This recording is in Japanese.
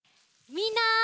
みんな！